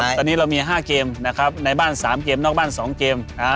สุดท้ายตอนนี้เรามีห้าเกมนะครับในบ้านสามเกมนอกบ้านสองเกมนะฮะ